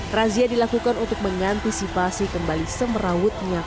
razia dilakukan untuk mengantisipasi kembali semerawutnya